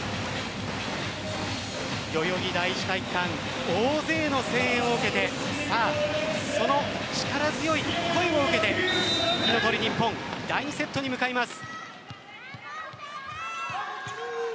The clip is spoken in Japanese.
代々木第一体育館大勢の声援を受けてその力強い声を受けて火の鳥ＮＩＰＰＯＮ第２セットに向かいます。